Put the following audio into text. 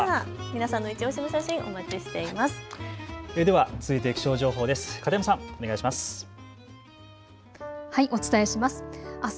皆さんのいちオシの写真、お待ちしています。